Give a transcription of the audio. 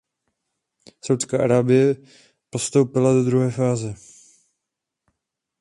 Saúdská Arábie postoupila do druhé fáze.